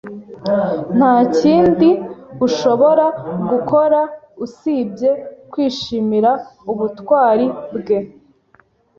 Nta kindi ushobora gukora usibye kwishimira ubutwari bwe.